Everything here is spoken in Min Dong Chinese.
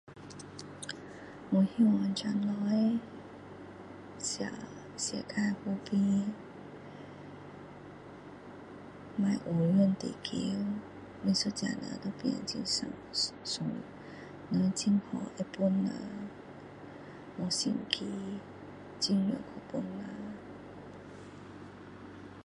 我希望将来叻世界和平不要有每一个都很好会帮人没心机尽量去帮人